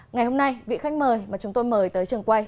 ngày hôm nay vị khách mời mà chúng tôi mời tới trường quay